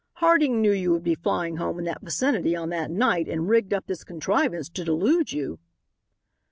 Harding knew you would be flying home in that vicinity on that night and rigged up this contrivance to delude you."